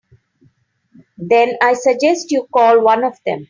Then I suggest you call one of them.